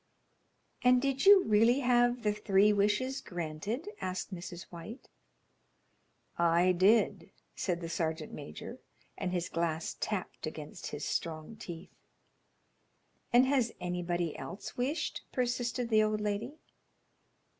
"And did you really have the three wishes granted?" asked Mrs. White. "I did," said the sergeant major, and his glass tapped against his strong teeth. "And has anybody else wished?" persisted the old lady.